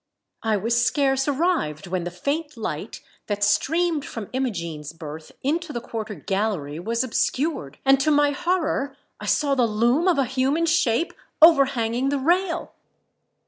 I was scarce arrived when the faint light that streamed from Imogene's berth into the quarter gallery was obscured, and to my horror I saw the loom of a human shape overhanging the rail.